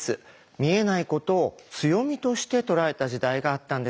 見えないことを強みとして捉えた時代があったんです。